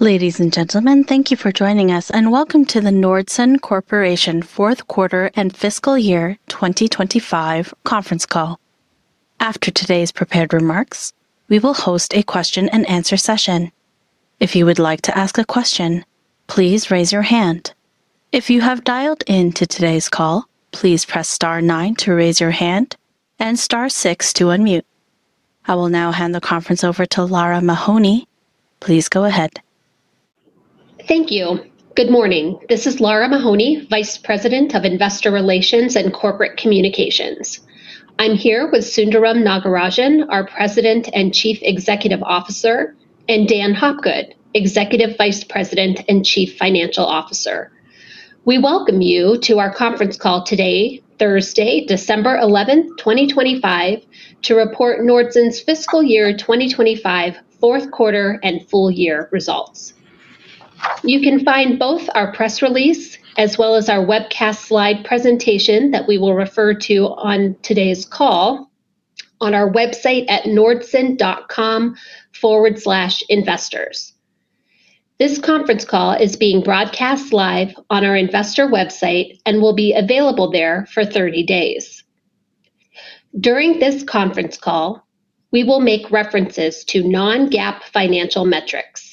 Ladies and gentlemen, thank you for joining us, and welcome to the Nordson Corporation Fourth Quarter and Fiscal Year 2025 Conference Call. After today's prepared remarks, we will host a question-and-answer session. If you would like to ask a question, please raise your hand. If you have dialed into today's call, please press star nine to raise your hand and star six to unmute. I will now hand the conference over to Lara Mahoney. Please go ahead. Thank you. Good morning. This is Lara Mahoney, Vice President of Investor Relations and Corporate Communications. I'm here with Sundaram Nagarajan, our President and Chief Executive Officer, and Dan Hopgood, Executive Vice President and Chief Financial Officer. We welcome you to our conference call today, Thursday, December 11, 2025, to report Nordson's Fiscal Year 2025 Fourth Quarter and Full Year results. You can find both our press release as well as our webcast slide presentation that we will refer to on today's call on our website at nordson.com/investors. This conference call is being broadcast live on our investor website and will be available there for 30 days. During this conference call, we will make references to non-GAAP financial metrics.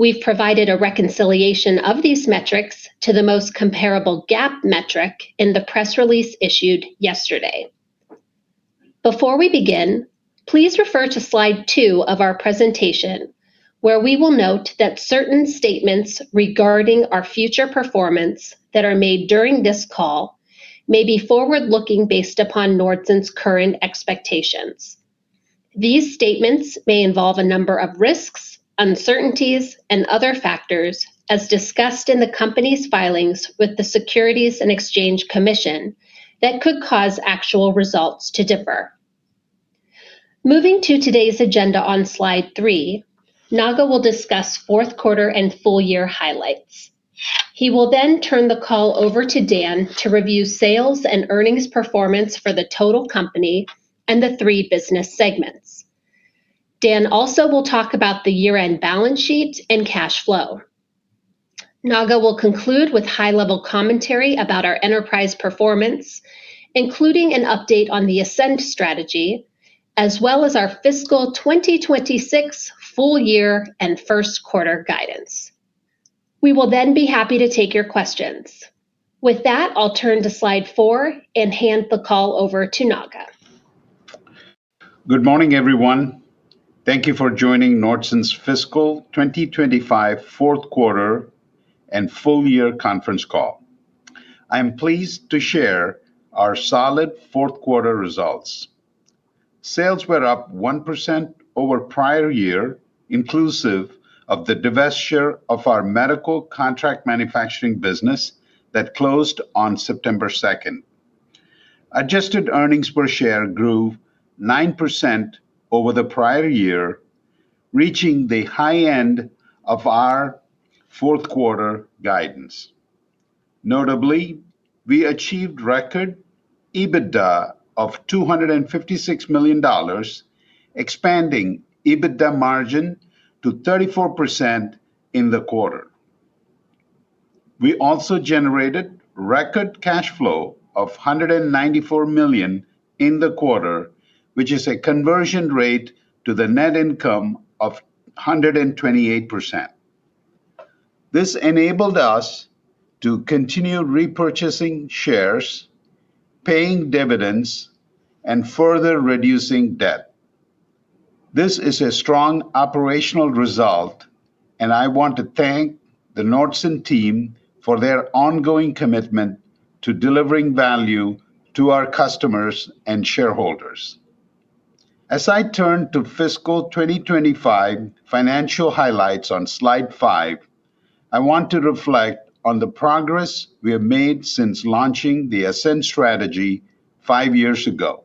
We've provided a reconciliation of these metrics to the most comparable GAAP metric in the press release issued yesterday. Before we begin, please refer to slide two of our presentation, where we will note that certain statements regarding our future performance that are made during this call may be forward-looking based upon Nordson's current expectations. These statements may involve a number of risks, uncertainties, and other factors, as discussed in the company's filings with the Securities and Exchange Commission, that could cause actual results to differ. Moving to today's agenda on slide three, Sundaram will discuss fourth quarter and full year highlights. He will then turn the call over to Dan to review sales and earnings performance for the total company and the three business segments. Dan also will talk about the year-end balance sheet and cash flow. Sundaram will conclude with high-level commentary about our enterprise performance, including an update on the Ascend strategy, as well as our fiscal 2026 full year and first quarter guidance. We will then be happy to take your questions. With that, I'll turn to slide four and hand the call over to Sundaram. Good morning, everyone. Thank you for joining Nordson's Fiscal 2025 Fourth Quarter and Full Year Conference Call. I am pleased to share our solid fourth quarter results. Sales were up 1% over prior year, inclusive of the divestiture of our medical contract manufacturing business that closed on September 2. Adjusted earnings per share grew 9% over the prior year, reaching the high end of our fourth quarter guidance. Notably, we achieved record EBITDA of $256 million, expanding EBITDA margin to 34% in the quarter. We also generated record cash flow of $194 million in the quarter, which is a conversion rate to the net income of 128%. This enabled us to continue repurchasing shares, paying dividends, and further reducing debt. This is a strong operational result, and I want to thank the Nordson team for their ongoing commitment to delivering value to our customers and shareholders. As I turn to fiscal 2025 financial highlights on slide five, I want to reflect on the progress we have made since launching the Ascend strategy five years ago.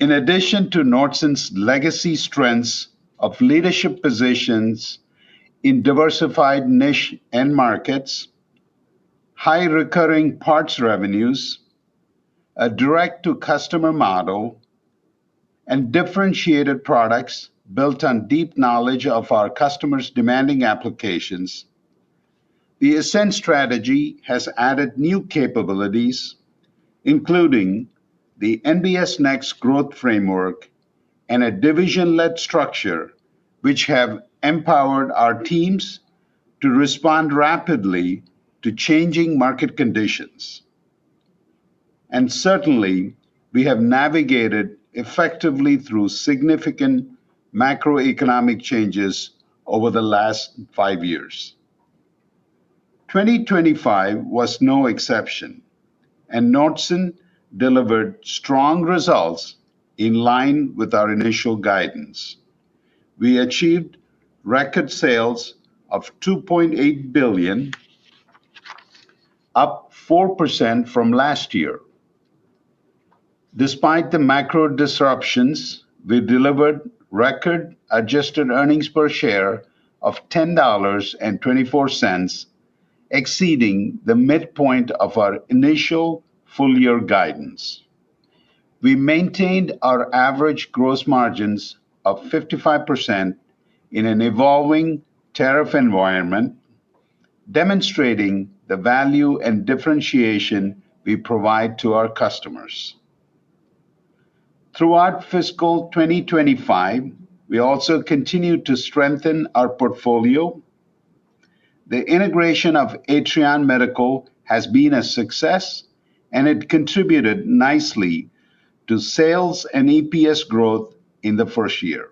In addition to Nordson's legacy strengths of leadership positions in diversified niche and markets, high recurring parts revenues, a direct-to-customer model, and differentiated products built on deep knowledge of our customers' demanding applications, the Ascend strategy has added new capabilities, including the NBS Next growth framework and a division-led structure, which have empowered our teams to respond rapidly to changing market conditions. Certainly, we have navigated effectively through significant macroeconomic changes over the last five years. 2025 was no exception, and Nordson delivered strong results in line with our initial guidance. We achieved record sales of $2.8 billion, up 4% from last year. Despite the macro disruptions, we delivered record adjusted earnings per share of $10.24, exceeding the midpoint of our initial full year guidance. We maintained our average gross margins of 55% in an evolving tariff environment, demonstrating the value and differentiation we provide to our customers. Throughout fiscal 2025, we also continued to strengthen our portfolio. The integration of Atrion Medical has been a success, and it contributed nicely to sales and EPS growth in the first year.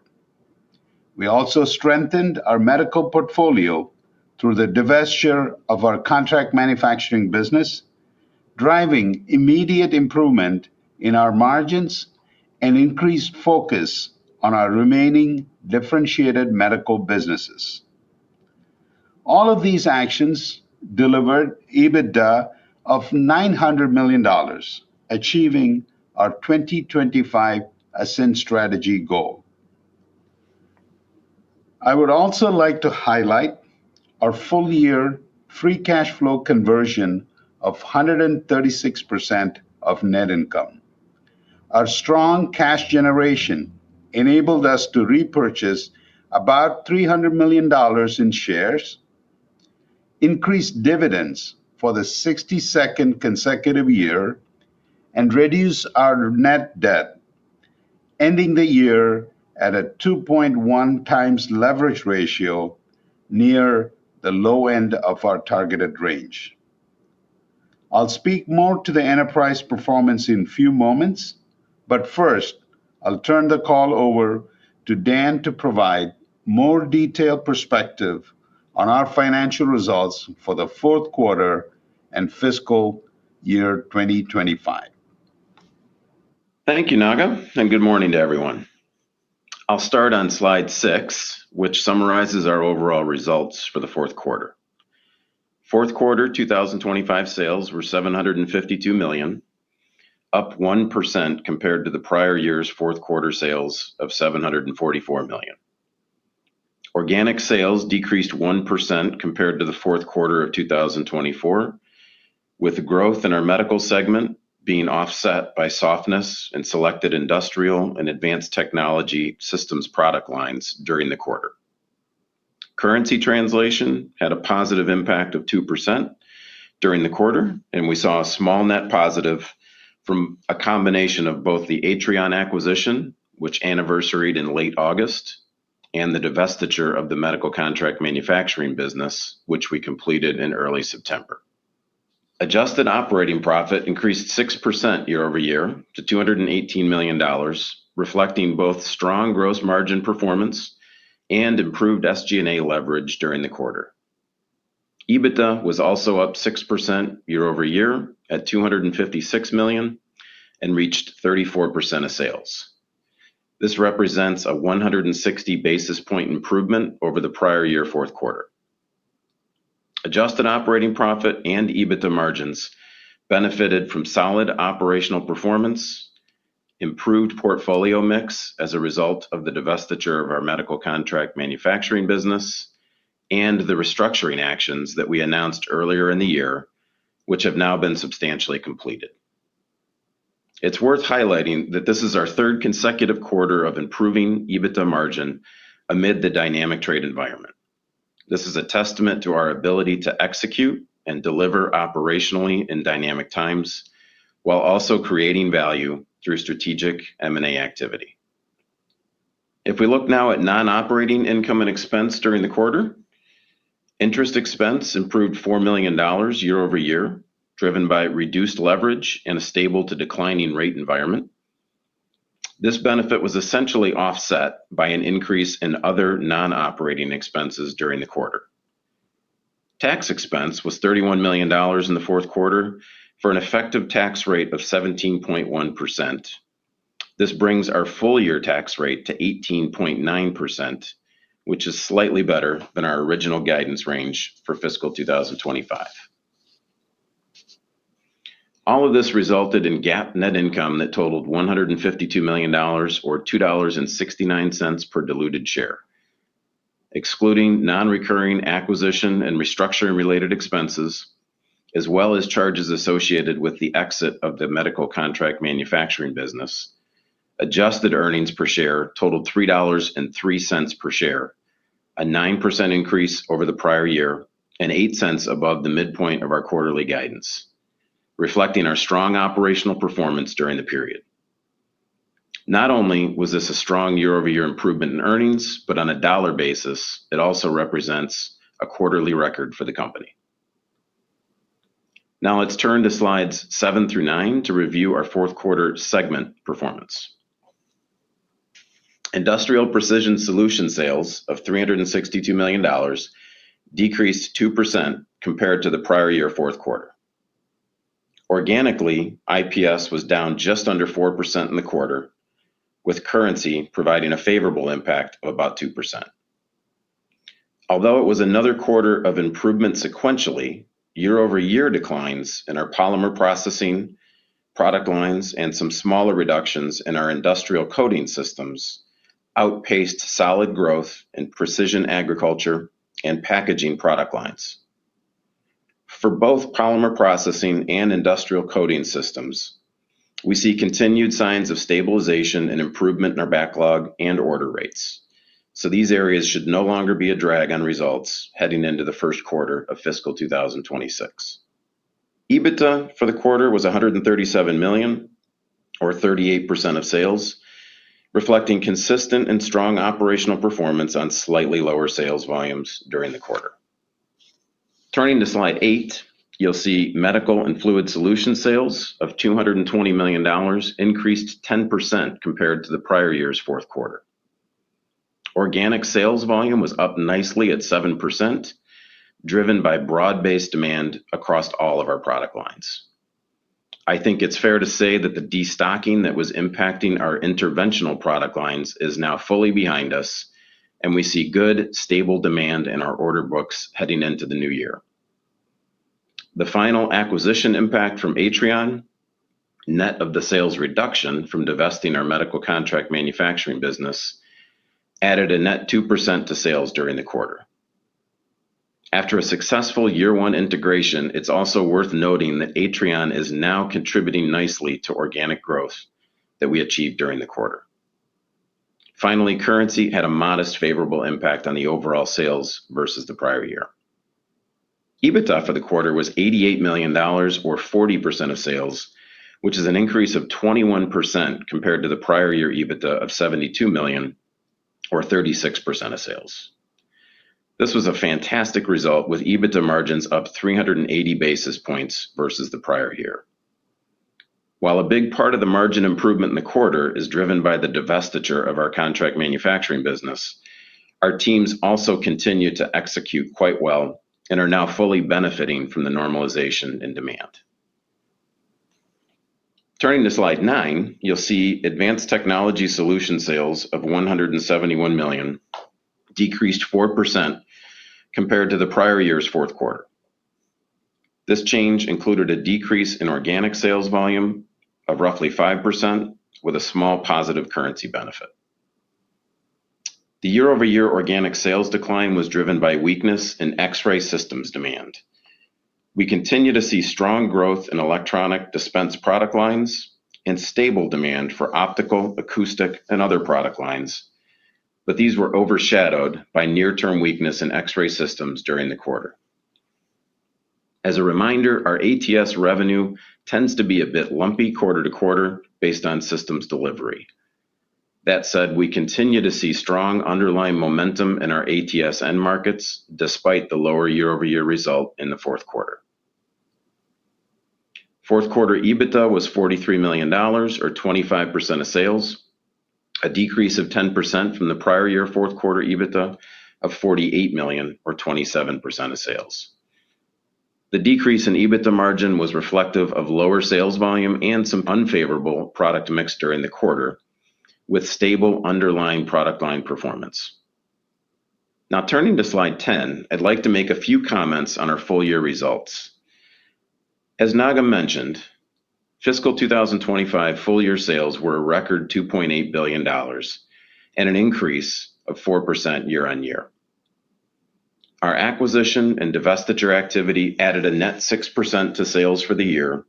We also strengthened our medical portfolio through the divestiture of our contract manufacturing business, driving immediate improvement in our margins and increased focus on our remaining differentiated medical businesses. All of these actions delivered EBITDA of $900 million, achieving our 2025 Ascend strategy goal. I would also like to highlight our full year free cash flow conversion of 136% of net income. Our strong cash generation enabled us to repurchase about $300 million in shares, increase dividends for the 62nd consecutive year, and reduce our net debt, ending the year at a 2.1x leverage ratio near the low end of our targeted range. I'll speak more to the enterprise performance in a few moments, but first, I'll turn the call over to Dan to provide more detailed perspective on our financial results for the fourth quarter and fiscal year 2025. Thank you, Sundaram, and good morning to everyone. I'll start on slide six, which summarizes our overall results for the fourth quarter. Fourth quarter 2025 sales were $752 million, up 1% compared to the prior year's fourth quarter sales of $744 million. Organic sales decreased 1% compared to the fourth quarter of 2024, with growth in our Medical segment being offset by softness and selected industrial and advanced technology systems product lines during the quarter. Currency translation had a positive impact of 2% during the quarter, and we saw a small net positive from a combination of both the Atrion acquisition, which anniversaried in late August, and the divestiture of the medical contract manufacturing business, which we completed in early September. Adjusted operating profit increased 6% year-over-year to $218 million, reflecting both strong gross margin performance and improved SG&A leverage during the quarter. EBITDA was also up 6% year-over-year at $256 million and reached 34% of sales. This represents a 160 basis points improvement over the prior year fourth quarter. Adjusted operating profit and EBITDA margins benefited from solid operational performance, improved portfolio mix as a result of the divestiture of our medical contract manufacturing business, and the restructuring actions that we announced earlier in the year, which have now been substantially completed. It's worth highlighting that this is our third consecutive quarter of improving EBITDA margin amid the dynamic trade environment. This is a testament to our ability to execute and deliver operationally in dynamic times while also creating value through strategic M&A activity. If we look now at non-operating income and expense during the quarter, interest expense improved $4 million year-overyear, driven by reduced leverage and a stable to declining rate environment. This benefit was essentially offset by an increase in other non-operating expenses during the quarter. Tax expense was $31 million in the fourth quarter for an effective tax rate of 17.1%. This brings our full year tax rate to 18.9%, which is slightly better than our original guidance range for fiscal 2025. All of this resulted in GAAP net income that totaled $152 million, or $2.69 per diluted share. Excluding non-recurring acquisition and restructuring-related expenses, as well as charges associated with the exit of the medical contract manufacturing business, adjusted earnings per share totaled $3.03 per share, a 9% increase over the prior year and $0.08 above the midpoint of our quarterly guidance, reflecting our strong operational performance during the period. Not only was this a strong year-over-year improvement in earnings, but on a dollar basis, it also represents a quarterly record for the company. Now let's turn to slides seven through nine to review our fourth quarter segment performance. Industrial Precision Solutions sales of $362 million decreased 2% compared to the prior year fourth quarter. Organically, IPS was down just under 4% in the quarter, with currency providing a favorable impact of about 2%. Although it was another quarter of improvement sequentially, year-over-year declines in our polymer processing product lines and some smaller reductions in our industrial coating systems outpaced solid growth in precision agriculture and packaging product lines. For both polymer processing and industrial coating systems, we see continued signs of stabilization and improvement in our backlog and order rates. So these areas should no longer be a drag on results heading into the first quarter of fiscal 2026. EBITDA for the quarter was $137 million, or 38% of sales, reflecting consistent and strong operational performance on slightly lower sales volumes during the quarter. Turning to slide eight, you'll see Medical and Fluid Solution sales of $220 million increased 10% compared to the prior year's fourth quarter. Organic sales volume was up nicely at 7%, driven by broad-based demand across all of our product lines. I think it's fair to say that the destocking that was impacting our interventional product lines is now fully behind us, and we see good stable demand in our order books heading into the new year. The final acquisition impact from Atrion, net of the sales reduction from divesting our medical contract manufacturing business, added a net 2% to sales during the quarter. After a successful year-one integration, it's also worth noting that Atrion is now contributing nicely to organic growth that we achieved during the quarter. Finally, currency had a modest favorable impact on the overall sales versus the prior year. EBITDA for the quarter was $88 million, or 40% of sales, which is an increase of 21% compared to the prior year EBITDA of $72 million, or 36% of sales. This was a fantastic result, with EBITDA margins up 380 basis points versus the prior year. While a big part of the margin improvement in the quarter is driven by the divestiture of our contract manufacturing business, our teams also continue to execute quite well and are now fully benefiting from the normalization in demand. Turning to slide nine, you'll see Advanced Technology Solutions sales of $171 million decreased 4% compared to the prior year's fourth quarter. This change included a decrease in organic sales volume of roughly 5%, with a small positive currency benefit. The year-over-year organic sales decline was driven by weakness in X-ray systems demand. We continue to see strong growth in electronics dispense product lines and stable demand for optical, acoustic, and other product lines, but these were overshadowed by near-term weakness in X-ray systems during the quarter. As a reminder, our ATS revenue tends to be a bit lumpy quarter to quarter based on systems delivery. That said, we continue to see strong underlying momentum in our ATS end markets despite the lower year-over-year result in the fourth quarter. Fourth quarter EBITDA was $43 million, or 25% of sales, a decrease of 10% from the prior year fourth quarter EBITDA of $48 million, or 27% of sales. The decrease in EBITDA margin was reflective of lower sales volume and some unfavorable product mix during the quarter, with stable underlying product line performance. Now, turning to slide 10, I'd like to make a few comments on our full year results. As Sundaram mentioned, fiscal 2025 full year sales were a record $2.8 billion and an increase of 4% year-on-year. Our acquisition and divestiture activity added a net 6% to sales for the year,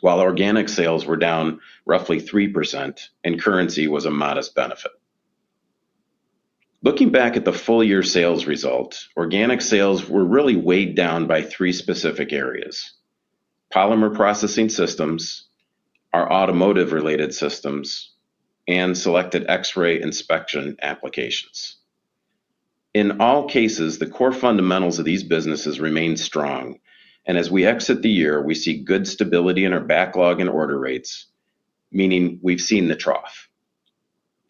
while organic sales were down roughly 3%, and currency was a modest benefit. Looking back at the full year sales result, organic sales were really weighed down by three specific areas: polymer processing systems, our automotive-related systems, and selected X-ray inspection applications. In all cases, the core fundamentals of these businesses remain strong, and as we exit the year, we see good stability in our backlog and order rates, meaning we've seen the trough.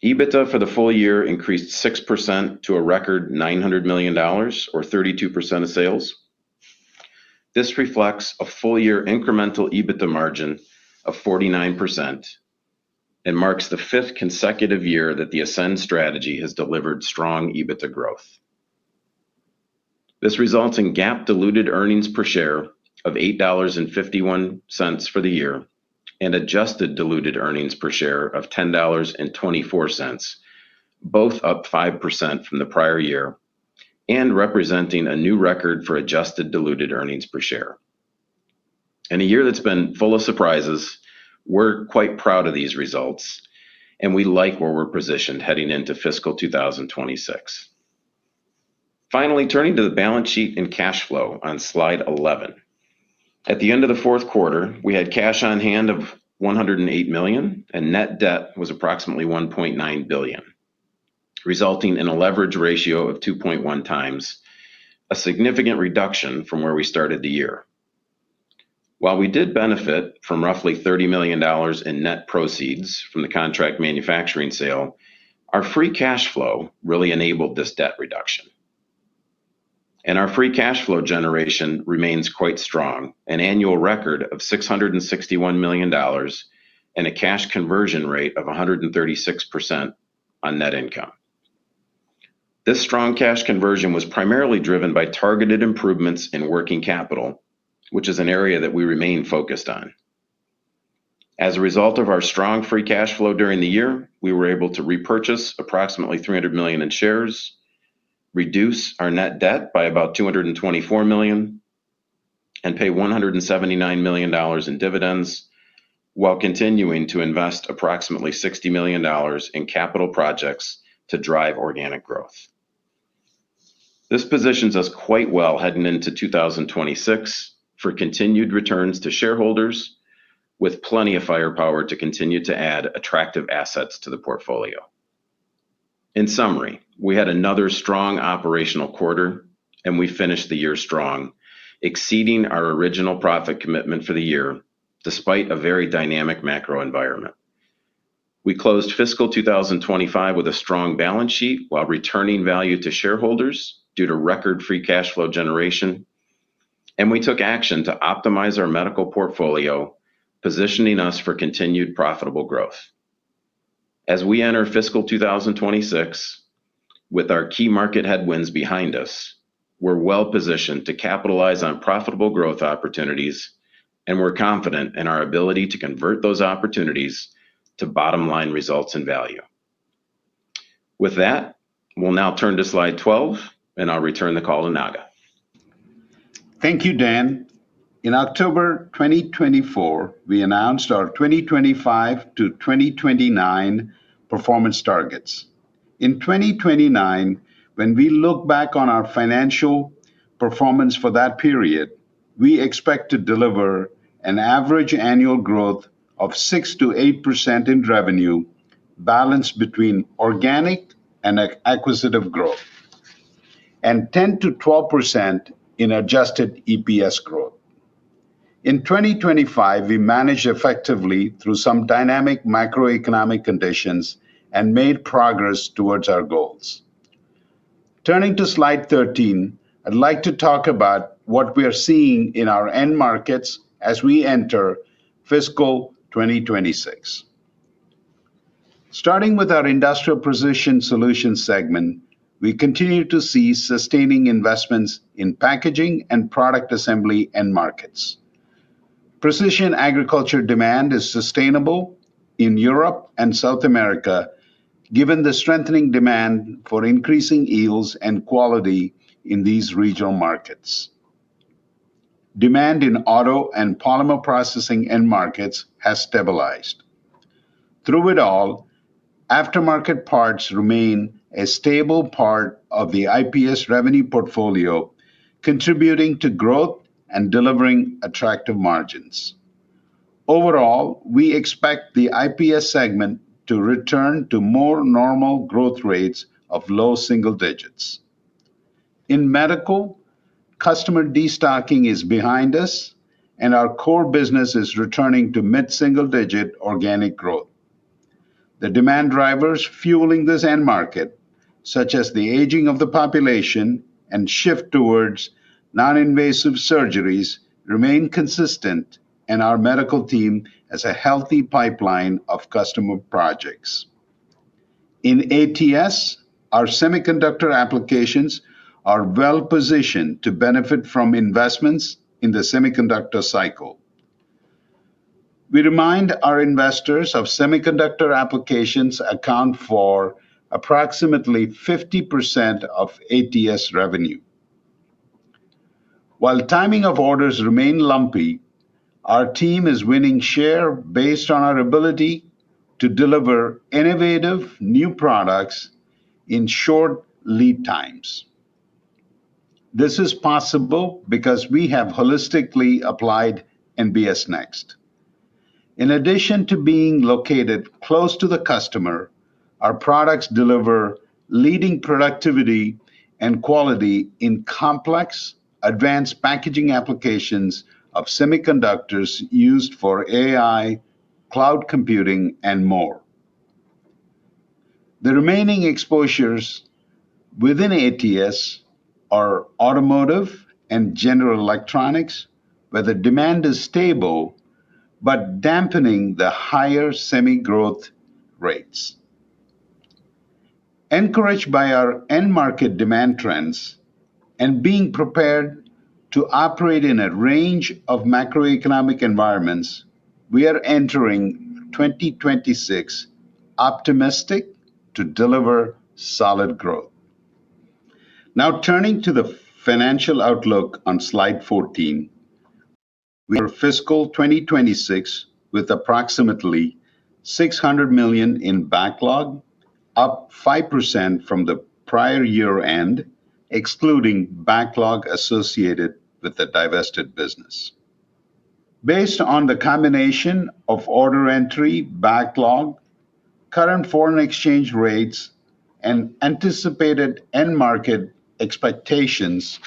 EBITDA for the full year increased 6% to a record $900 million, or 32% of sales. This reflects a full year incremental EBITDA margin of 49% and marks the fifth consecutive year that the Ascend strategy has delivered strong EBITDA growth. This results in GAAP diluted earnings per share of $8.51 for the year and adjusted diluted earnings per share of $10.24, both up 5% from the prior year and representing a new record for adjusted diluted earnings per share. In a year that's been full of surprises, we're quite proud of these results, and we like where we're positioned heading into fiscal 2026. Finally, turning to the balance sheet and cash flow on slide 11. At the end of the fourth quarter, we had cash on hand of $108 million, and net debt was approximately $1.9 billion, resulting in a leverage ratio of 2.1x, a significant reduction from where we started the year. While we did benefit from roughly $30 million in net proceeds from the contract manufacturing sale, our free cash flow really enabled this debt reduction. Our free cash flow generation remains quite strong, an annual record of $661 million and a cash conversion rate of 136% on net income. This strong cash conversion was primarily driven by targeted improvements in working capital, which is an area that we remain focused on. As a result of our strong free cash flow during the year, we were able to repurchase approximately $300 million in shares, reduce our net debt by about $224 million, and pay $179 million in dividends, while continuing to invest approximately $60 million in capital projects to drive organic growth. This positions us quite well heading into 2026 for continued returns to shareholders, with plenty of firepower to continue to add attractive assets to the portfolio. In summary, we had another strong operational quarter, and we finished the year strong, exceeding our original profit commitment for the year despite a very dynamic macro environment. We closed fiscal 2025 with a strong balance sheet while returning value to shareholders due to record free cash flow generation, and we took action to optimize our medical portfolio, positioning us for continued profitable growth. As we enter fiscal 2026 with our key market headwinds behind us, we're well positioned to capitalize on profitable growth opportunities, and we're confident in our ability to convert those opportunities to bottom-line results and value. With that, we'll now turn to slide 12, and I'll return the call to Sundaram. Thank you, Dan. In October 2024, we announced our 2025 to 2029 performance targets. In 2029, when we look back on our financial performance for that period, we expect to deliver an average annual growth of 6%-8% in revenue balanced between organic and acquisitive growth, and 10%-12% in adjusted EPS growth. In 2025, we managed effectively through some dynamic macroeconomic conditions and made progress towards our goals. Turning to slide 13, I'd like to talk about what we are seeing in our end markets as we enter fiscal 2026. Starting with our Industrial Precision Solutions segment, we continue to see sustaining investments in packaging and product assembly end markets. Precision agriculture demand is sustainable in Europe and South America, given the strengthening demand for increasing yields and quality in these regional markets. Demand in auto and polymer processing end markets has stabilized. Through it all, aftermarket parts remain a stable part of the IPS revenue portfolio, contributing to growth and delivering attractive margins. Overall, we expect the IPS segment to return to more normal growth rates of low single digits. In Medical, customer destocking is behind us, and our core business is returning to mid-single digit organic growth. The demand drivers fueling this end market, such as the aging of the population and shift towards non-invasive surgeries, remain consistent, and our medical team has a healthy pipeline of customer projects. In ATS, our semiconductor applications are well positioned to benefit from investments in the semiconductor cycle. We remind our investors that semiconductor applications account for approximately 50% of ATS revenue. While timing of orders remains lumpy, our team is winning share based on our ability to deliver innovative new products in short lead times. This is possible because we have holistically applied NBS Next. In addition to being located close to the customer, our products deliver leading productivity and quality in complex advanced packaging applications of semiconductors used for AI, cloud computing, and more. The remaining exposures within ATS are automotive and general electronics, where the demand is stable but dampening the higher semi growth rates. Encouraged by our end market demand trends and being prepared to operate in a range of macroeconomic environments, we are entering 2026 optimistic to deliver solid growth. Now, turning to the financial outlook on slide 14, we enter fiscal 2026 with approximately $600 million in backlog, up 5% from the prior year end, excluding backlog associated with the divested business. Based on the combination of order entry, backlog, current foreign exchange rates, and anticipated end market expectations,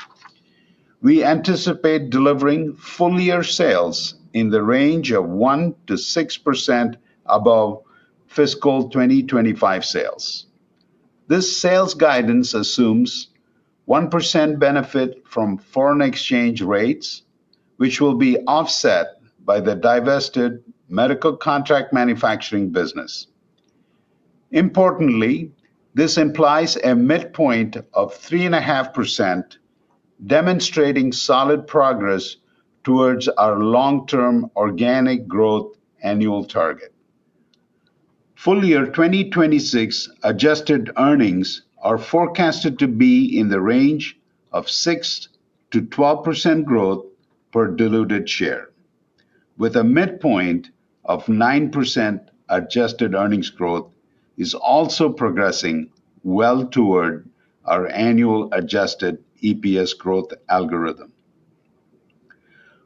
we anticipate delivering full year sales in the range of 1%-6% above fiscal 2025 sales. This sales guidance assumes 1% benefit from foreign exchange rates, which will be offset by the divested medical contract manufacturing business. Importantly, this implies a midpoint of 3.5%, demonstrating solid progress towards our long-term organic growth annual target. Full year 2026 adjusted earnings are forecasted to be in the range of 6%-12% growth per diluted share, with a midpoint of 9% adjusted earnings growth also progressing well toward our annual adjusted EPS growth algorithm.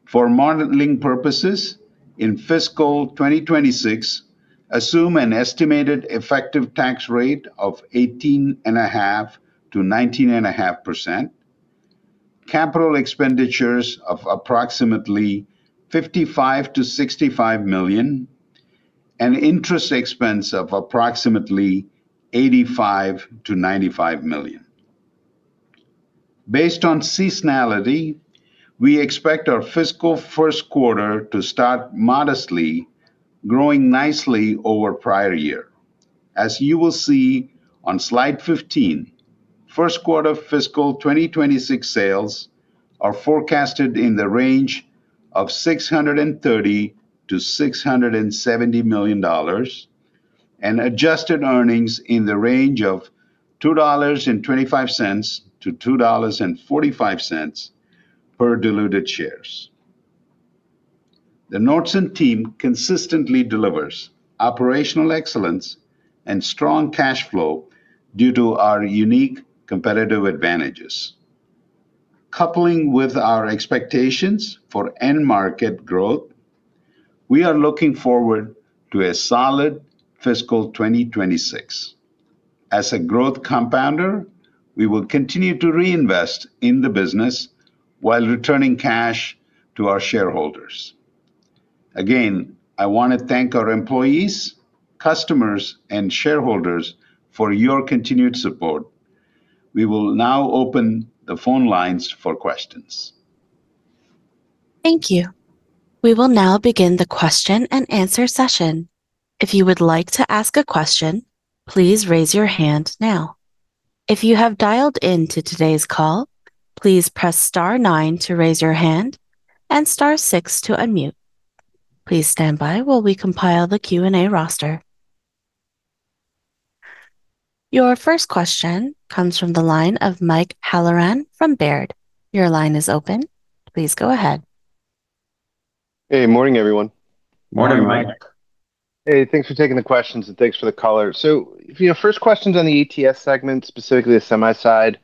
For modeling purposes, in fiscal 2026, assume an estimated effective tax rate of 18.5%-19.5%, capital expenditures of approximately $55 million-$65 million, and interest expense of approximately $85 million-$95 million. Based on seasonality, we expect our fiscal first quarter to start modestly, growing nicely over prior year. As you will see on slide 15, first quarter fiscal 2026 sales are forecasted in the range of $630 million-$670 million, and adjusted earnings in the range of $2.25-$2.45 per diluted shares. The Nordson team consistently delivers operational excellence and strong cash flow due to our unique competitive advantages. Coupling with our expectations for end market growth, we are looking forward to a solid fiscal 2026. As a growth compounder, we will continue to reinvest in the business while returning cash to our shareholders. Again, I want to thank our employees, customers, and shareholders for your continued support. We will now open the phone lines for questions. Thank you. We will now begin the question-and-answer session. If you would like to ask a question, please raise your hand now. If you have dialed into today's call, please press star nine to raise your hand and star six to unmute. Please stand by while we compile the Q&A roster. Your first question comes from the line of Mike Halloran from Baird. Your line is open. Please go ahead. Hey, morning, everyone. Morning, Mike. Hey, thanks for taking the questions and thanks for the call. So, you know, first question on the ATS segment, specifically the semi side.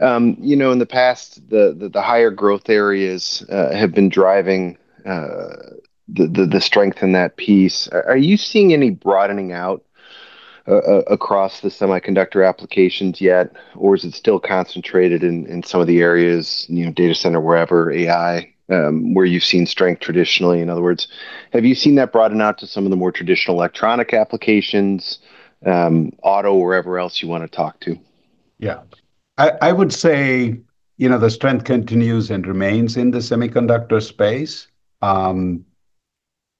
You know, in the past, the higher growth areas have been driving the strength in that piece. Are you seeing any broadening out across the semiconductor applications yet, or is it still concentrated in some of the areas, you know, data center, wherever, AI, where you've seen strength traditionally? In other words, have you seen that broaden out to some of the more traditional electronic applications, auto, wherever else you want to talk to? Yeah, I would say, you know, the strength continues and remains in the semiconductor space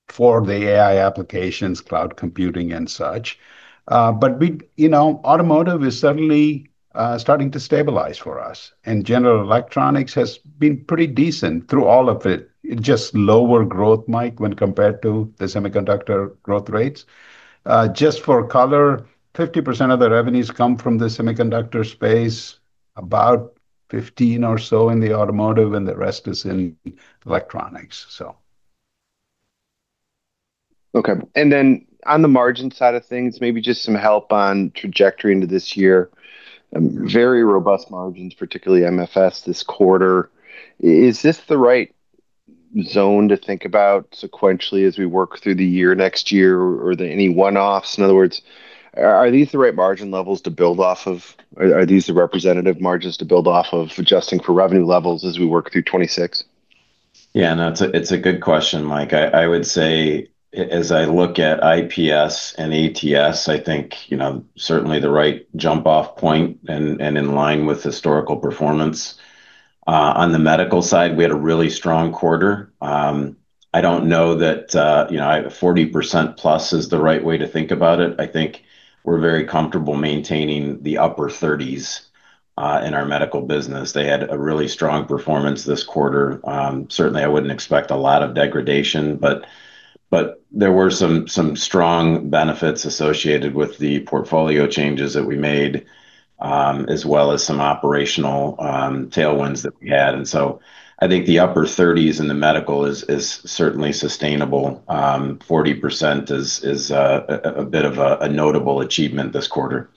for the AI applications, cloud computing, and such. But we, you know, automotive is certainly starting to stabilize for us, and general electronics has been pretty decent through all of it. Just lower growth, Mike, when compared to the semiconductor growth rates. Just for color, 50% of the revenues come from the semiconductor space, about 15% or so in the automotive, and the rest is in electronics, so. Okay. Then on the margin side of things, maybe just some help on trajectory into this year. Very robust margins, particularly MFS this quarter. Is this the right zone to think about sequentially as we work through the year next year, or are there any one-offs? In other words, are these the right margin levels to build off of? Are these the representative margins to build off of adjusting for revenue levels as we work through 2026? Yeah, no, it's a good question, Mike. I would say, as I look at IPS and ATS, I think, you know, certainly the right jump-off point and in line with historical performance. On the Medical side, we had a really strong quarter. I don't know that, you know, 40% plus is the right way to think about it. I think we're very comfortable maintaining the upper 30s% in our medical business. They had a really strong performance this quarter. Certainly, I wouldn't expect a lot of degradation, but there were some strong benefits associated with the portfolio changes that we made, as well as some operational tailwinds that we had. And so I think the upper 30s in the medical is certainly sustainable. 40% is a bit of a notable achievement this quarter.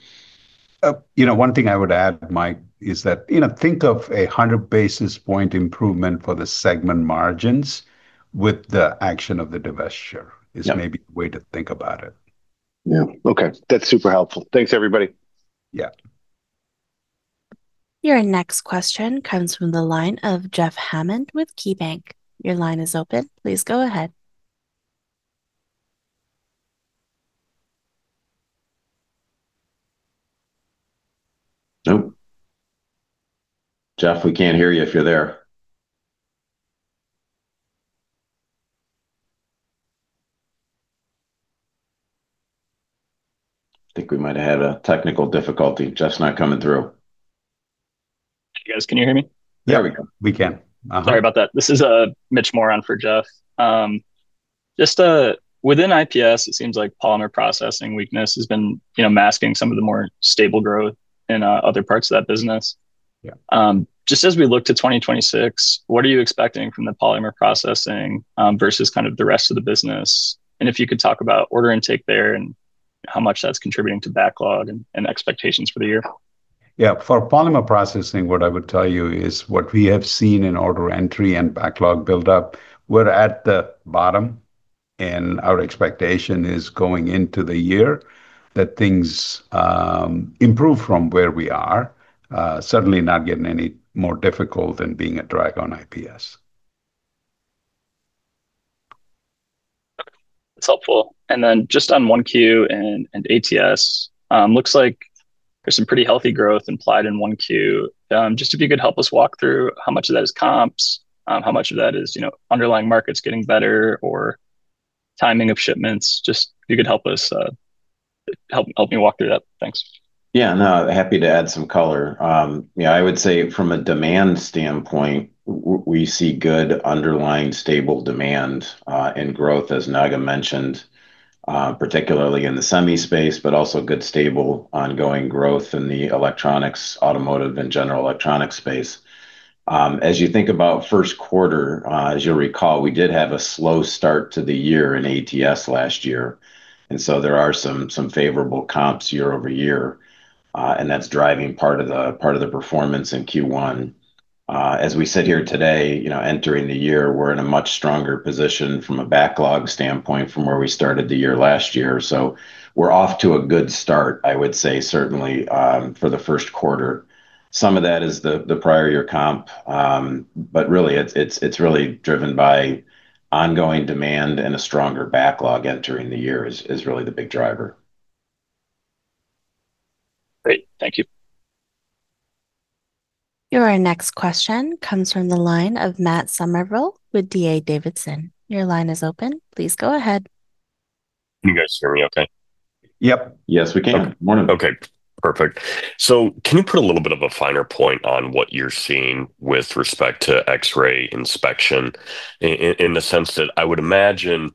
You know, one thing I would add, Mike, is that, you know, think of a 100 basis point improvement for the segment margins with the action of the divestiture is maybe the way to think about it. Yeah. Okay. That's super helpful. Thanks, everybody. Yeah. Your next question comes from the line of Jeff Hammond with KeyBanc. Your line is open. Please go ahead. Nope. Jeff, we can't hear you if you're there. I think we might have had a technical difficulty. Jeff's not coming through. You guys, can you hear me? There we go. We can. Sorry about that. This is Mitch Moore on for Jeff. Just within IPS, it seems like polymer processing weakness has been, you know, masking some of the more stable growth in other parts of that business. Yeah. Just as we look to 2026, what are you expecting from the polymer processing versus kind of the rest of the business? And if you could talk about order intake there and how much that's contributing to backlog and expectations for the year. Yeah. For polymer processing, what I would tell you is what we have seen in order entry and backlog buildup, we're at the bottom, and our expectation is going into the year that things improve from where we are. Certainly not getting any more difficult than being a drag on IPS. That's helpful. And then just on Q1 and ATS, it looks like there's some pretty healthy growth implied in Q1. Just if you could help us walk through how much of that is comps, how much of that is, you know, underlying markets getting better or timing of shipments. Just if you could help us, help me walk through that. Thanks. Yeah, no, happy to add some color. Yeah, I would say from a demand standpoint, we see good underlying stable demand and growth, as Sundaram mentioned, particularly in the semi space, but also good stable ongoing growth in the electronics, automotive, and general electronics space. As you think about first quarter, as you'll recall, we did have a slow start to the year in ATS last year. And so there are some favorable comps year over year, and that's driving part of the performance in Q1. As we sit here today, you know, entering the year, we're in a much stronger position from a backlog standpoint from where we started the year last year. So we're off to a good start, I would say, certainly for the first quarter. Some of that is the prior year comp, but really it's driven by ongoing demand and a stronger backlog entering the year is really the big driver. Great. Thank you. Your next question comes from the line of Matt Summerville with D.A. Davidson. Your line is open. Please go ahead. Can you guys hear me okay? Yep. Yes, we can. Okay. Perfect. Can you put a little bit of a finer point on what you're seeing with respect to X-ray inspection in the sense that I would imagine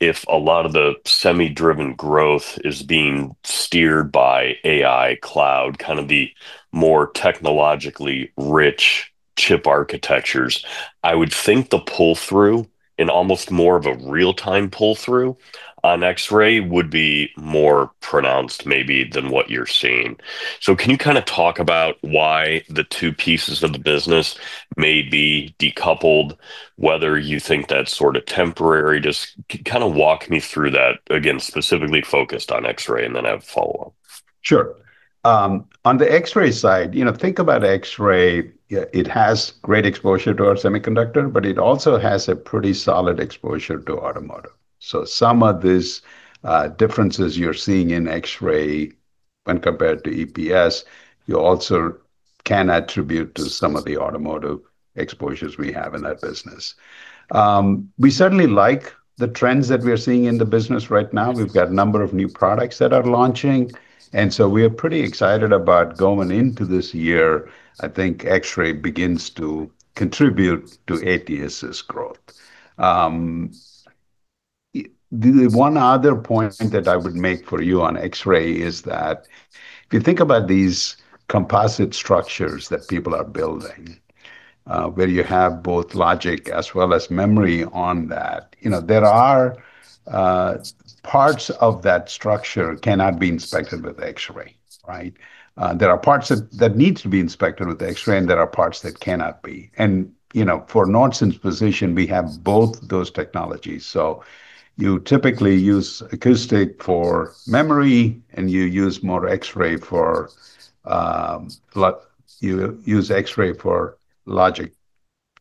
if a lot of the semi-driven growth is being steered by AI, cloud, kind of the more technologically rich chip architectures, I would think the pull-through and almost more of a real-time pull-through on X-ray would be more pronounced maybe than what you're seeing? Can you kind of talk about why the two pieces of the business may be decoupled, whether you think that's sort of temporary? Just kind of walk me through that again, specifically focused on X-ray, and then I have a follow-up. Sure. On the X-ray side, you know, think about X-ray. It has great exposure to our semiconductor, but it also has a pretty solid exposure to automotive. Some of these differences you're seeing in X-ray when compared to optics, you also can attribute to some of the automotive exposures we have in that business. We certainly like the trends that we're seeing in the business right now. We've got a number of new products that are launching, and so we are pretty excited about going into this year. I think X-ray begins to contribute to ATS's growth. The one other point that I would make for you on X-ray is that if you think about these composite structures that people are building, where you have both logic as well as memory on that, you know, there are parts of that structure that cannot be inspected with X-ray, right? There are parts that need to be inspected with X-ray, and there are parts that cannot be. You know, for Nordson's position, we have both those technologies. You typically use acoustic for memory, and you use more X-ray for logic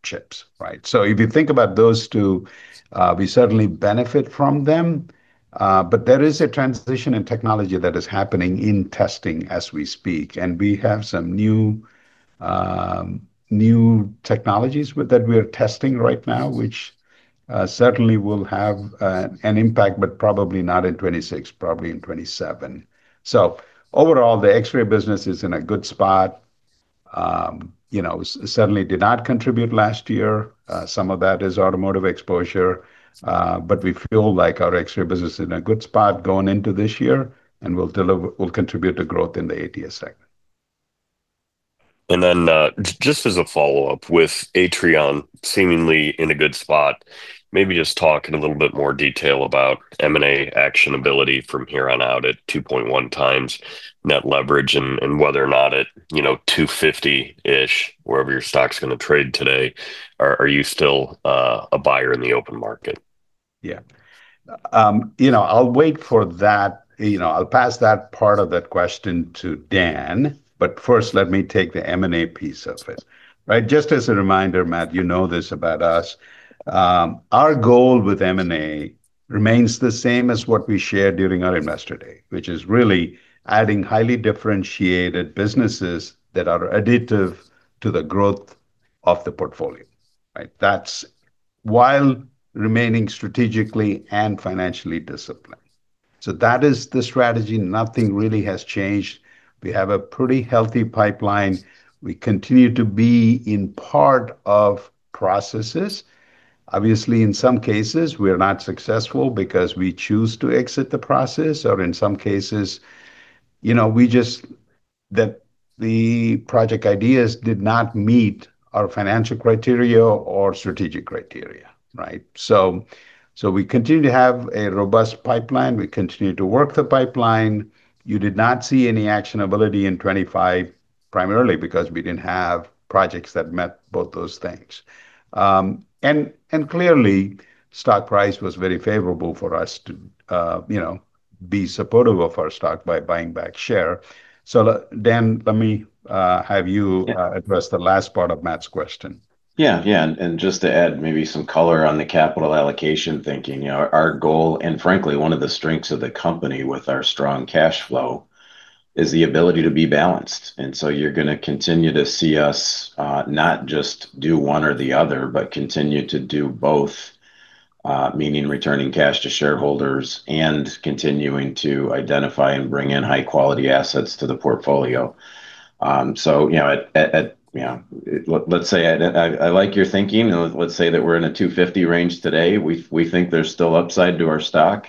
chips, right? So if you think about those two, we certainly benefit from them, but there is a transition in technology that is happening in testing as we speak. We have some new technologies that we are testing right now, which certainly will have an impact, but probably not in 2026, probably in 2027. Overall, the X-ray business is in a good spot. You know, it certainly did not contribute last year. Some of that is automotive exposure, but we feel like our X-ray business is in a good spot going into this year, and we'll contribute to growth in the ATS segment. And then just as a follow-up with Atrion, seemingly in a good spot, maybe just talk in a little bit more detail about M&A actionability from here on out at 2.1x net leverage and whether or not at, you know, 250-ish, wherever your stock's going to trade today, are you still a buyer in the open market? Yeah. You know, I'll wait for that. You know, I'll pass that part of that question to Dan, but first, let me take the M&A piece of it, right? Just as a reminder, Matt, you know this about us. Our goal with M&A remains the same as what we shared during our investor day, which is really adding highly differentiated businesses that are additive to the growth of the portfolio, right? That's while remaining strategically and financially disciplined. So that is the strategy. Nothing really has changed. We have a pretty healthy pipeline. We continue to be in a lot of processes. Obviously, in some cases, we're not successful because we choose to exit the process, or in some cases, you know, we just that the project ideas did not meet our financial criteria or strategic criteria, right? So we continue to have a robust pipeline. We continue to work the pipeline. You did not see any actionability in 2025, primarily because we didn't have projects that met both those things. And clearly, stock price was very favorable for us to, you know, be supportive of our stock by buying back shares. So Dan, let me have you address the last part of Matt's question. Yeah, yeah. And just to add maybe some color on the capital allocation thinking, you know, our goal, and frankly, one of the strengths of the company with our strong cash flow is the ability to be balanced. And so you're going to continue to see us not just do one or the other, but continue to do both, meaning returning cash to shareholders and continuing to identify and bring in high-quality assets to the portfolio. So, you know, at, you know, let's say I like your thinking. Let's say that we're in a $250 range today. We think there's still upside to our stock.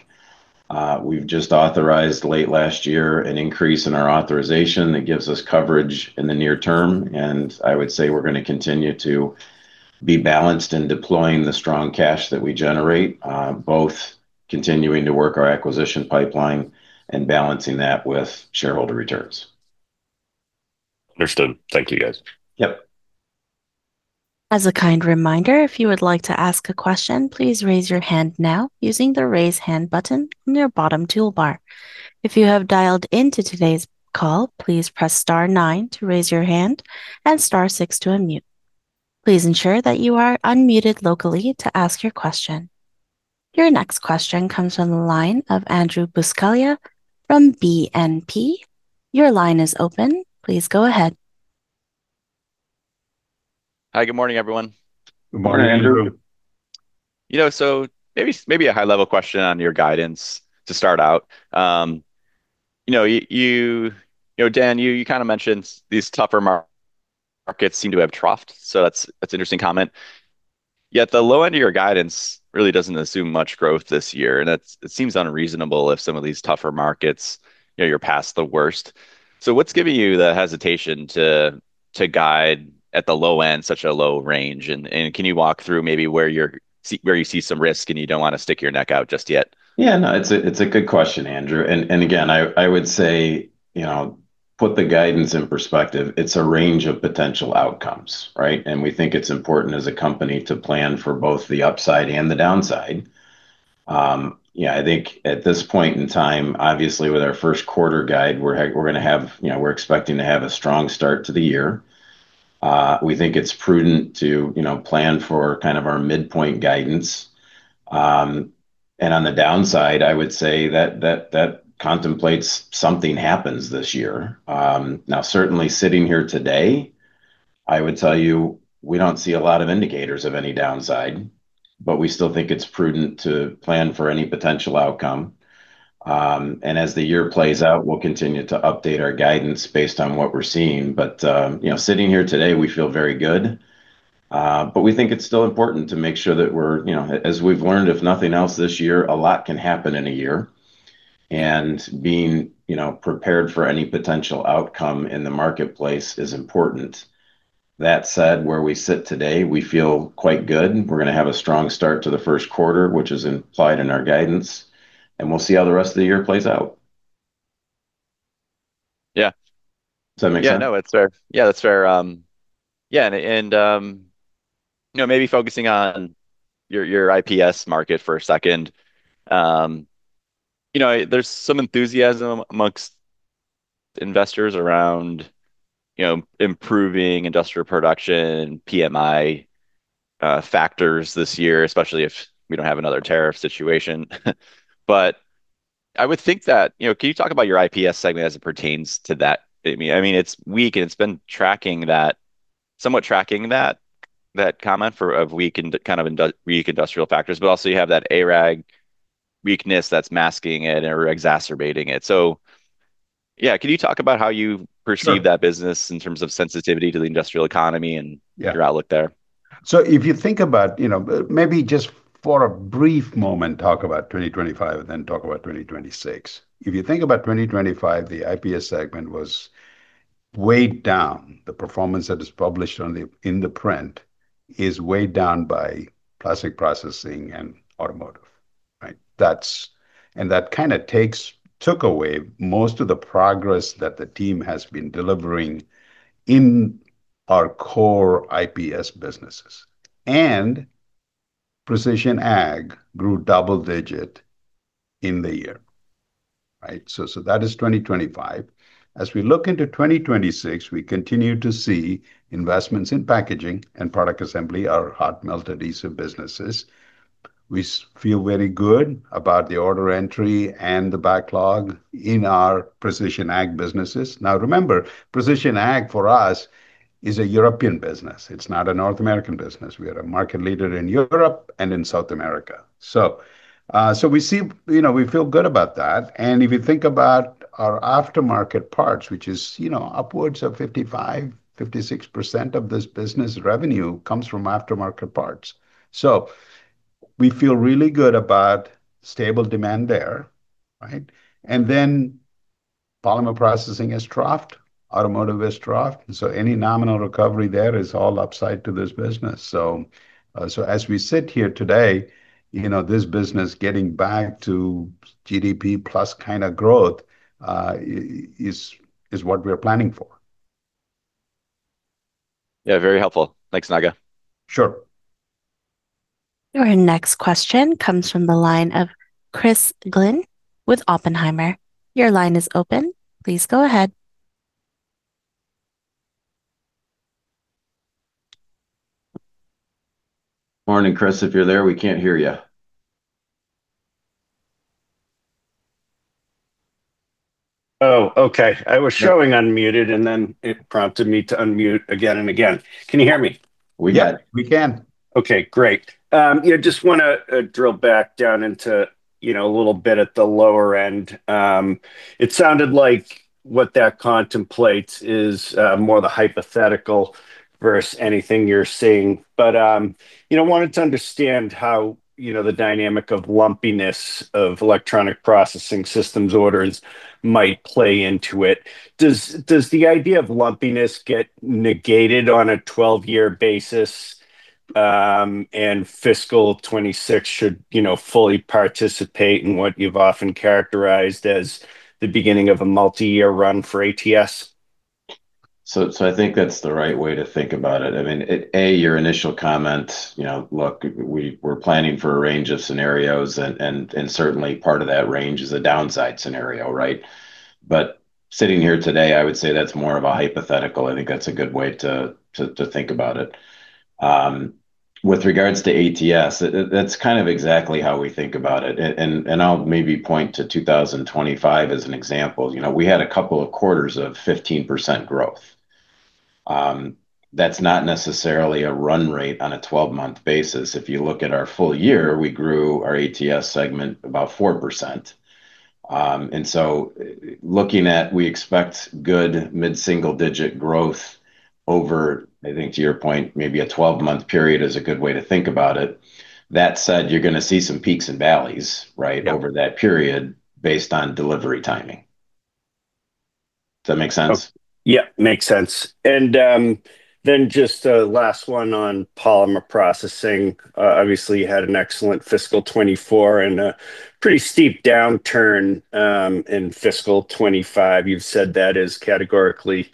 We've just authorized late last year an increase in our authorization that gives us coverage in the near term. And I would say we're going to continue to be balanced in deploying the strong cash that we generate, both continuing to work our acquisition pipeline and balancing that with shareholder returns. Understood. Thank you, guys. Yep. As a kind reminder, if you would like to ask a question, please raise your hand now using the raise hand button near bottom toolbar. If you have dialed into today's call, please press star nine to raise your hand and star six to unmute. Please ensure that you are unmuted locally to ask your question. Your next question comes from the line of Andrew Buscaglia from BNP. Your line is open. Please go ahead. Hi, good morning, everyone. Good morning, Andrew. You know, so maybe a high-level question on your guidance to start out. You know, you, you know, Dan, you kind of mentioned these tougher markets seem to have troughed. So that's an interesting comment. Yet the low end of your guidance really doesn't assume much growth this year. And it seems unreasonable if some of these tougher markets, you know, you're past the worst. So what's giving you the hesitation to guide at the low end, such a low range? And can you walk through maybe where you see some risk and you don't want to stick your neck out just yet? Yeah, no, it's a good question, Andrew. And again, I would say, you know, put the guidance in perspective. It's a range of potential outcomes, right? And we think it's important as a company to plan for both the upside and the downside. Yeah, I think at this point in time, obviously with our first quarter guide, we're going to have, you know, we're expecting to have a strong start to the year. We think it's prudent to, you know, plan for kind of our midpoint guidance, and on the downside, I would say that that contemplates something happens this year. Now, certainly sitting here today, I would tell you we don't see a lot of indicators of any downside, but we still think it's prudent to plan for any potential outcome, and as the year plays out, we'll continue to update our guidance based on what we're seeing, but, you know, sitting here today, we feel very good, but we think it's still important to make sure that we're, you know, as we've learned, if nothing else this year, a lot can happen in a year, and being, you know, prepared for any potential outcome in the marketplace is important. That said, where we sit today, we feel quite good. We're going to have a strong start to the first quarter, which is implied in our guidance. And we'll see how the rest of the year plays out. Yeah. Does that make sense? Yeah, no, that's fair. Yeah, that's fair. Yeah. And, you know, maybe focusing on your IPS market for a second. You know, there's some enthusiasm amongst investors around, you know, improving industrial production, PMI factors this year, especially if we don't have another tariff situation. But I would think that, you know, can you talk about your IPS segment as it pertains to that? I mean, it's weak and it's been tracking that, somewhat tracking that comment of weak and kind of weak industrial factors, but also you have that ARAG weakness that's masking it or exacerbating it. So yeah, can you talk about how you perceive that business in terms of sensitivity to the industrial economy and your outlook there? So if you think about, you know, maybe just for a brief moment, talk about 2025 and then talk about 2026. If you think about 2025, the IPS segment was way down. The performance that is published in the print is way down by polymer processing and automotive, right? That's, and that kind of takes, took away most of the progress that the team has been delivering in our core IPS businesses. And precision ag grew double-digit in the year, right? So that is 2025. As we look into 2026, we continue to see investments in packaging and product assembly, our hot melt adhesive businesses. We feel very good about the order entry and the backlog in our precision ag businesses. Now, remember, precision ag for us is a European business. It's not a North American business. We are a market leader in Europe and in South America. So we see, you know, we feel good about that. And if you think about our aftermarket parts, which is, you know, upwards of 55%-56% of this business revenue comes from aftermarket parts. So we feel really good about stable demand there, right? And then polymer processing is troughed, automotive is troughed. So any nominal recovery there is all upside to this business. So as we sit here today, you know, this business getting back to GDP plus kind of growth is what we're planning for. Yeah, very helpful. Thanks, Sundaram. Sure. Your next question comes from the line of Chris Glynn with Oppenheimer. Your line is open. Please go ahead. Morning, Chris. If you're there, we can't hear you. Oh, okay. I was showing unmuted and then it prompted me to unmute again and again. Can you hear me? We can. Okay, great. You know, just want to drill back down into, you know, a little bit at the lower end. It sounded like what that contemplates is more the hypothetical versus anything you're seeing. But, you know, wanted to understand how, you know, the dynamic of lumpiness of electronics processing systems orders might play into it. Does the idea of lumpiness get negated on a 12-month basis? And fiscal 2026 should, you know, fully participate in what you've often characterized as the beginning of a multi-year run for ATS? So I think that's the right way to think about it. I mean, A, your initial comment, you know, look, we're planning for a range of scenarios and certainly part of that range is a downside scenario, right? But sitting here today, I would say that's more of a hypothetical. I think that's a good way to think about it. With regards to ATS, that's kind of exactly how we think about it. And I'll maybe point to 2025 as an example. You know, we had a couple of quarters of 15% growth. That's not necessarily a run rate on a 12-month basis. If you look at our full year, we grew our ATS segment about 4%. And so looking at, we expect good mid-single digit growth over, I think to your point, maybe a 12-month period is a good way to think about it. That said, you're going to see some peaks and valleys, right, over that period based on delivery timing. Does that make sense? Yeah, makes sense. And then just a last one on polymer processing. Obviously, you had an excellent fiscal 2024 and a pretty steep downturn in fiscal 2025. You've said that is categorically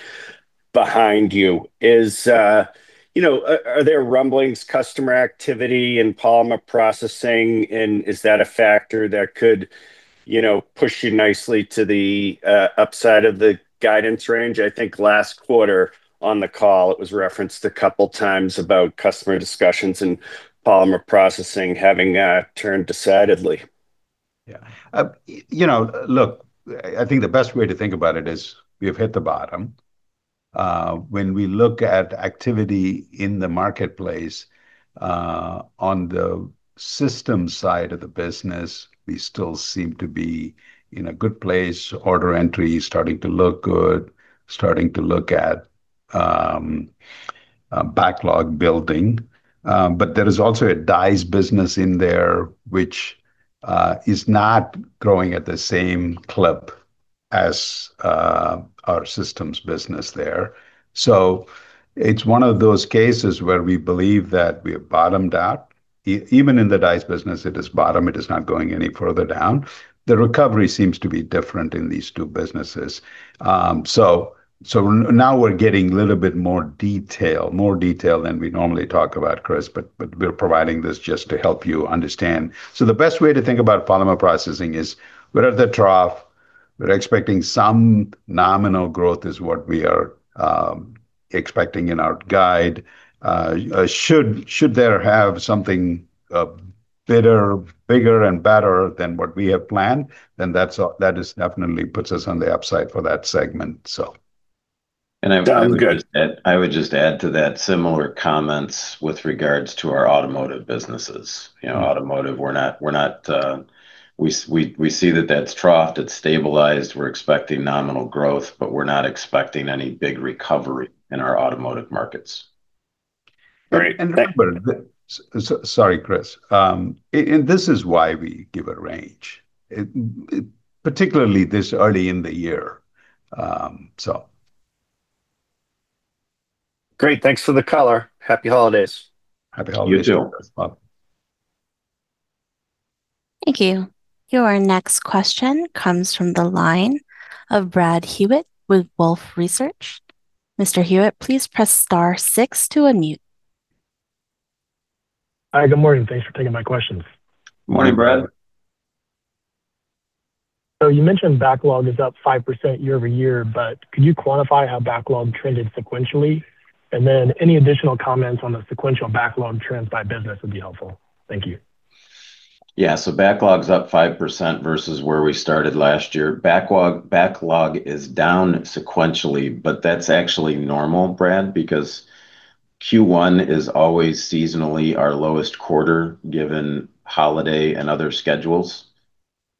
behind you. Is, you know, are there rumblings, customer activity in polymer processing? And is that a factor that could, you know, push you nicely to the upside of the guidance range? I think last quarter on the call, it was referenced a couple of times about customer discussions and polymer processing having turned decidedly. Yeah. You know, look, I think the best way to think about it is we've hit the bottom. When we look at activity in the marketplace on the system side of the business, we still seem to be in a good place. Order entry is starting to look good, starting to look at backlog building. But there is also a dies business in there, which is not growing at the same clip as our systems business there. So it's one of those cases where we believe that we have bottomed out. Even in the dies business, it is bottom. It is not going any further down. The recovery seems to be different in these two businesses. So now we're getting a little bit more detail, more detail than we normally talk about, Chris, but we're providing this just to help you understand. So the best way to think about polymer processing is we're at the trough. We're expecting some nominal growth is what we are expecting in our guide. Should there be something bigger and better than what we have planned, then that definitely puts us on the upside for that segment, so. And I would just add to that similar comments with regards to our automotive businesses. You know, automotive, we're not, we see that that's troughed, it's stabilized, we're expecting nominal growth, but we're not expecting any big recovery in our automotive markets. Great. Sorry, Chris. And this is why we give a range, particularly this early in the year, so. Great. Thanks for the color. Happy holidays. Happy holidays. You too. Thank you. Your next question comes from the line of Brad Hewitt with Wolfe Research. Mr. Hewitt, please press star six to unmute. Hi, good morning. Thanks for taking my questions. Good morning, Brad. So you mentioned backlog is up 5% year-over-year, but could you quantify how backlog trended sequentially? And then any additional comments on the sequential backlog trends by business would be helpful. Thank you. Yeah, so backlog's up 5% versus where we started last year. Backlog is down sequentially, but that's actually normal, Brad, because Q1 is always seasonally our lowest quarter given holiday and other schedules.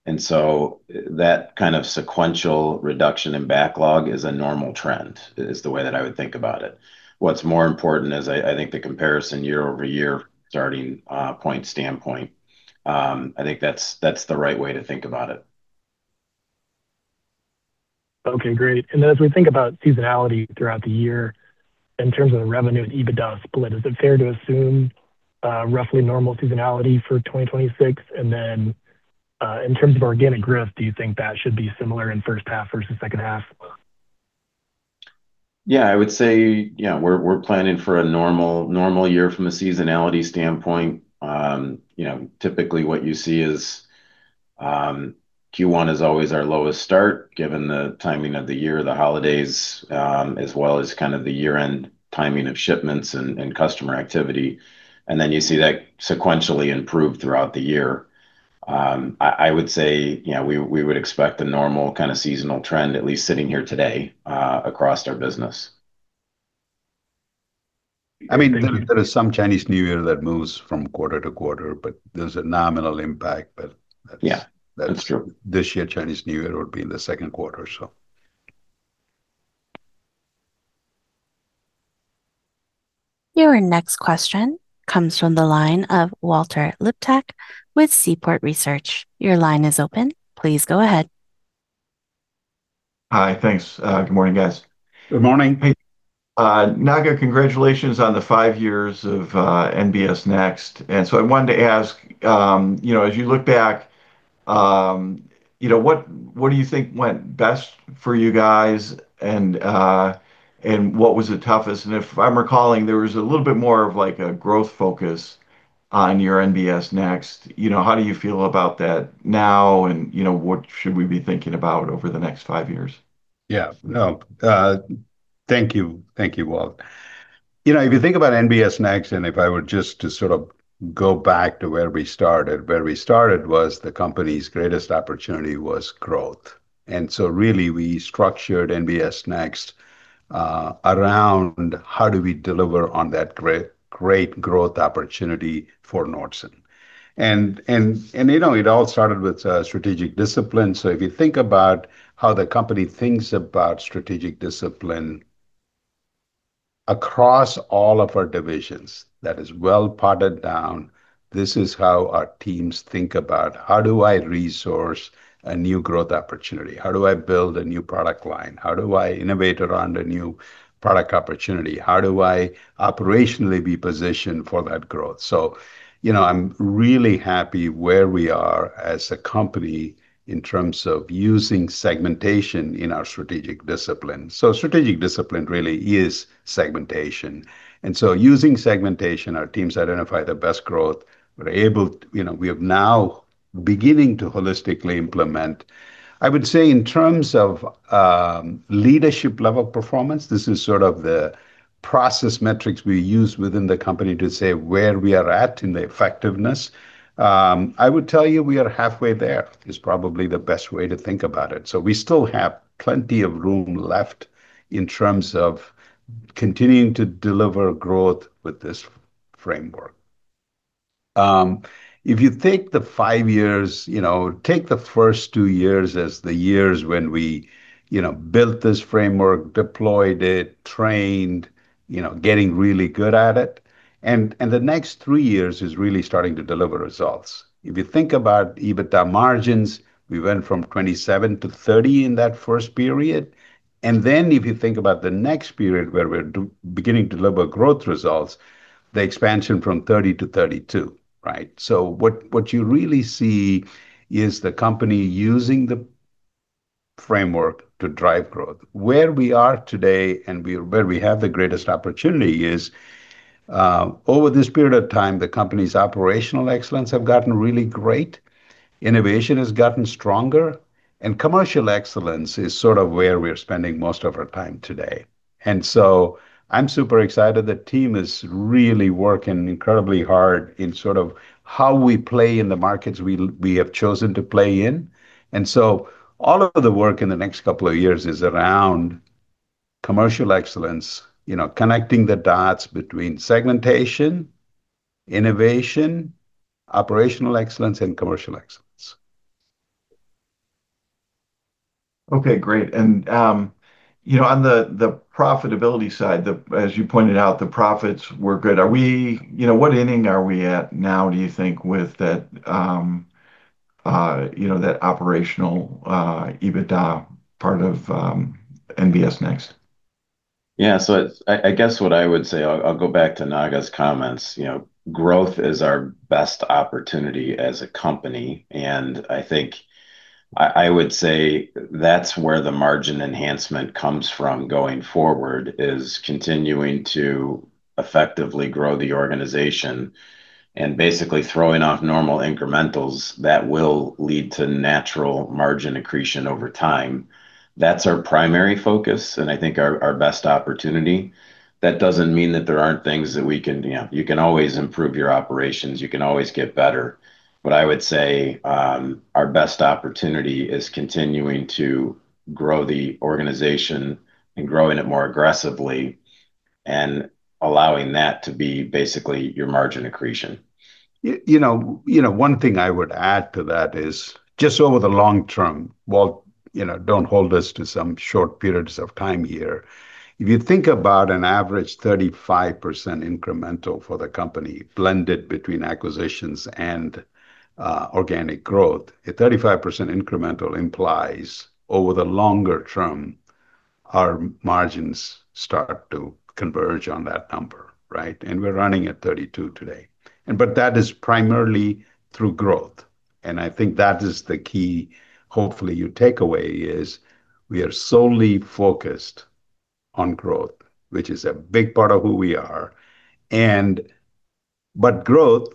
And so that kind of sequential reduction in backlog is a normal trend is the way that I would think about it. What's more important is I think the comparison year over year starting point standpoint, I think that's the right way to think about it. Okay, great. And then as we think about seasonality throughout the year, in terms of the revenue and EBITDA split, is it fair to assume roughly normal seasonality for 2026? And then in terms of organic growth, do you think that should be similar in first half versus second half? Yeah, I would say, yeah, we're planning for a normal year from a seasonality standpoint. You know, typically what you see is Q1 is always our lowest start given the timing of the year, the holidays, as well as kind of the year-end timing of shipments and customer activity. And then you see that sequentially improve throughout the year. I would say, yeah, we would expect a normal kind of seasonal trend, at least sitting here today, across our business. I mean, there is some Chinese New Year that moves from quarter to quarter, but there's a nominal impact, but that's true. This year, Chinese New Year would be in the second quarter, so. Your next question comes from the line of Walter Liptak with Seaport Research. Your line is open. Please go ahead. Hi, thanks. Good morning, guys. Good morning. Sundaram, congratulations on the five years of NBS Next. And so I wanted to ask, you know, as you look back, you know, what do you think went best for you guys and what was the toughest? And if I'm recalling, there was a little bit more of like a growth focus on your NBS Next. You know, how do you feel about that now and, you know, what should we be thinking about over the next five years? Yeah, no. Thank you. Thank you, Walt. You know, if you think about NBS Next and if I were just to sort of go back to where we started, where we started was the company's greatest opportunity was growth. And so really we structured NBS Next around how do we deliver on that great growth opportunity for Nordson. And you know, it all started with strategic discipline. So if you think about how the company thinks about strategic discipline across all of our divisions, that is well pinned down. This is how our teams think about how do I resource a new growth opportunity? How do I build a new product line? How do I innovate around a new product opportunity? How do I operationally be positioned for that growth? So, you know, I'm really happy where we are as a company in terms of using segmentation in our strategic discipline. So strategic discipline really is segmentation. And so using segmentation, our teams identify the best growth. We're able, you know, we have now beginning to holistically implement. I would say in terms of leadership level performance, this is sort of the process metrics we use within the company to say where we are at in the effectiveness. I would tell you, "we are halfway there" is probably the best way to think about it. So we still have plenty of room left in terms of continuing to deliver growth with this framework. If you take the five years, you know, take the first two years as the years when we, you know, built this framework, deployed it, trained, you know, getting really good at it. And the next three years is really starting to deliver results. If you think about EBITDA margins, we went from 27% to 30% in that first period. And then if you think about the next period where we're beginning to deliver growth results, the expansion from 30% to 32%, right? So what you really see is the company using the framework to drive growth. Where we are today and where we have the greatest opportunity is over this period of time, the company's operational excellence has gotten really great. Innovation has gotten stronger. And commercial excellence is sort of where we're spending most of our time today. And so I'm super excited. The team is really working incredibly hard in sort of how we play in the markets we have chosen to play in. And so all of the work in the next couple of years is around commercial excellence, you know, connecting the dots between segmentation, innovation, operational excellence, and commercial excellence. Okay, great. And, you know, on the profitability side, as you pointed out, the profits were good. Are we, you know, what ending are we at now, do you think, with that, you know, that operational EBITDA part of NBS Next? Yeah, so I guess what I would say, I'll go back to Sundaram's comments. You know, growth is our best opportunity as a company. And I think I would say that's where the margin enhancement comes from going forward is continuing to effectively grow the organization and basically throwing off normal incrementals that will lead to natural margin accretion over time. That's our primary focus and I think our best opportunity. That doesn't mean that there aren't things that we can, you know, you can always improve your operations, you can always get better. But I would say our best opportunity is continuing to grow the organization and growing it more aggressively and allowing that to be basically your margin accretion. You know, you know, one thing I would add to that is just over the long term, Walt, you know, don't hold us to some short periods of time here. If you think about an average 35% incremental for the company blended between acquisitions and organic growth, a 35% incremental implies over the longer term, our margins start to converge on that number, right? And we're running at 32% today. And but that is primarily through growth. And I think that is the key. Hopefully, your takeaway is we are solely focused on growth, which is a big part of who we are. And but growth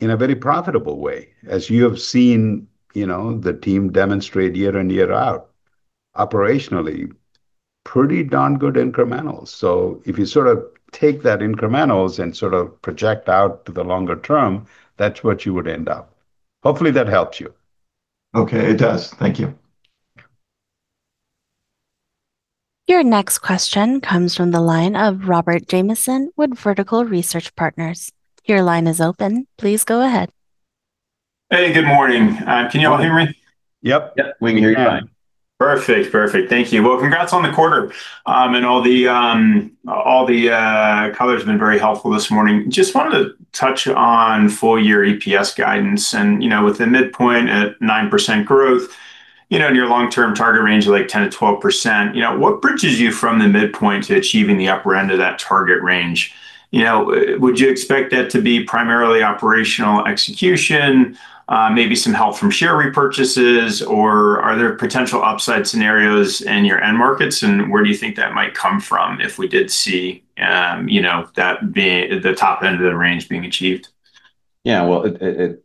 in a very profitable way, as you have seen, you know, the team demonstrate year in, year out, operationally, pretty darn good incrementals. So if you sort of take that incrementals and sort of project out to the longer term, that's what you would end up. Hopefully, that helps you. Okay, it does. Thank you. Your next question comes from the line of Robert Jamieson with Vertical Research Partners. Your line is open. Please go ahead. Hey, good morning. Can you all hear me? Yep. Yep. We can hear you fine. Perfect. Perfect. Thank you. Well, congrats on the quarter, and all the colors have been very helpful this morning. Just wanted to touch on full year EPS guidance, and, you know, with the midpoint at 9% growth, you know, in your long-term target range of like 10%-12%, you know, what bridges you from the midpoint to achieving the upper end of that target range? You know, would you expect that to be primarily operational execution, maybe some help from share repurchases, or are there potential upside scenarios in your end markets? And where do you think that might come from if we did see, you know, that being the top end of the range being achieved? Yeah, well,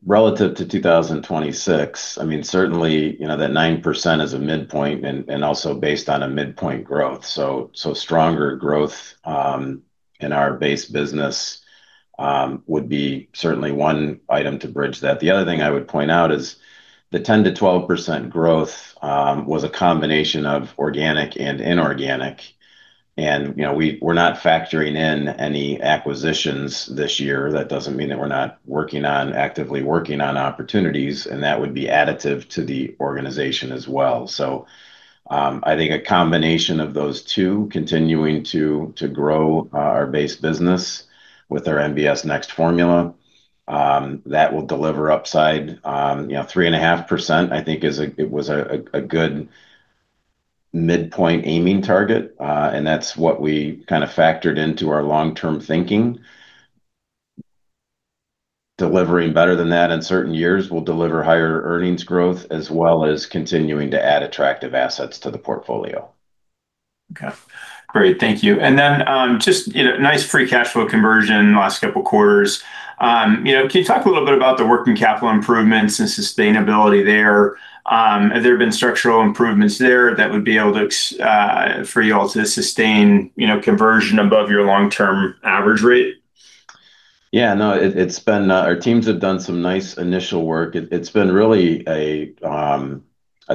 relative to 2026, I mean, certainly, you know, that 9% is a midpoint and also based on a midpoint growth. So stronger growth in our base business would be certainly one item to bridge that. The other thing I would point out is the 10%-12% growth was a combination of organic and inorganic. And, you know, we're not factoring in any acquisitions this year. That doesn't mean that we're not actively working on opportunities, and that would be additive to the organization as well. So I think a combination of those two, continuing to grow our base business with our NBS Next formula, that will deliver upside. You know, 3.5%, I think, is a good midpoint aiming target. And that's what we kind of factored into our long-term thinking. Delivering better than that in certain years will deliver higher earnings growth as well as continuing to add attractive assets to the portfolio. Okay. Great. Thank you. And then just, you know, nice free cash flow conversion last couple of quarters. You know, can you talk a little bit about the working capital improvements and sustainability there? Have there been structural improvements there that would be able to for you all to sustain, you know, conversion above your long-term average rate? Yeah, no, it's been our teams have done some nice initial work. It's been really a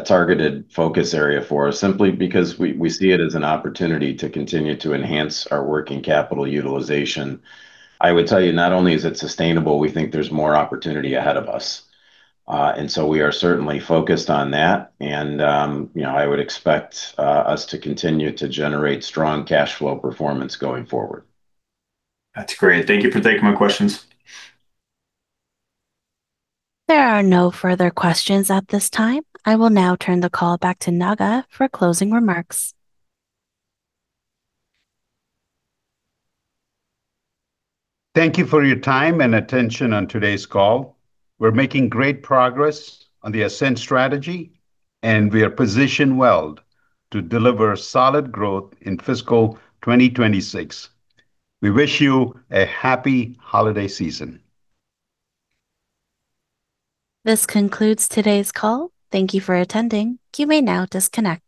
targeted focus area for us simply because we see it as an opportunity to continue to enhance our working capital utilization. I would tell you, not only is it sustainable, we think there's more opportunity ahead of us. And so we are certainly focused on that. And, you know, I would expect us to continue to generate strong cash flow performance going forward. That's great. Thank you for taking my questions. There are no further questions at this time. I will now turn the call back to Sundaram for closing remarks. Thank you for your time and attention on today's call. We're making great progress on the Ascend strategy, and we are positioned well to deliver solid growth in fiscal 2026. We wish you a happy holiday season. This concludes today's call. Thank you for attending. You may now disconnect.